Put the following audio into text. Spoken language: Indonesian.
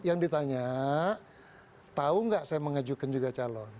yang ditanya tahu nggak saya mengajukan juga calon